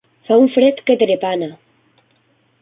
Fa un fred que trepana.